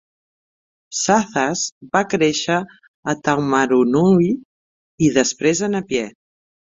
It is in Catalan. Psathas va créixer a Taumarunui i després a Napier.